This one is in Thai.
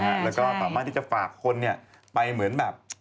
แล้วก็สามารถที่จะฝากคนไปเหมือนแบบ